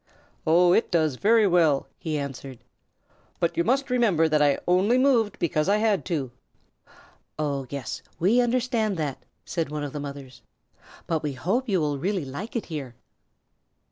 "Oh, it does very well," he answered, "but you must remember that I only moved because I had to." "Oh, yes, we understand that," said one of the mothers, "but we hope you will really like it here."